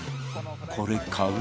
これ買う？